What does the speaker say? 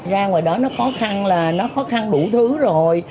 ra ngoài đó nó khó khăn là nó khó khăn đủ thứ rồi